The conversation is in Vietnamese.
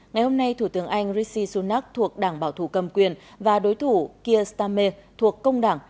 ngày hôm nay thủ tướng anh rishi sunak thuộc đảng bảo thủ cầm quyền và đối thủ kiyestame thuộc công đảng